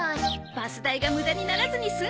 バス代が無駄にならずに済んだ！